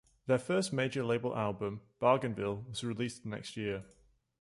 Their first major-label album, "Bargainville", was released the next year.